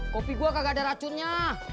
kopi gue kagak ada racunnya